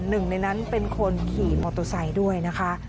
หนึ่งในนั้นเป็นคนขี่มอเตอร์ไซค์ด้วยนะคะ